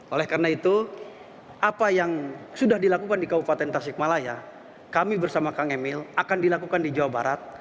oleh karena itu apa yang sudah dilakukan di kabupaten tasikmalaya kami bersama kang emil akan dilakukan di jawa barat